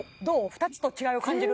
２つと違いを感じる？